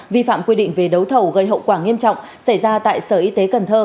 vi phạm quy định về đấu thầu gây hậu quả nghiêm trọng xảy ra tại sở y tế cần thơ